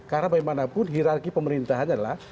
karena bagaimanapun hirarki pemerintahnya adalah